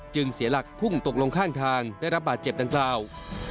เสียหลักพุ่งตกลงข้างทางได้รับบาดเจ็บดังกล่าว